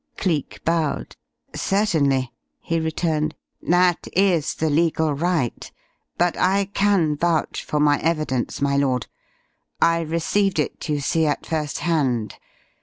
Cleek bowed. "Certainly," he returned. "That is the legal right. But I can vouch for my evidence, my lord. I received it, you see, at first hand.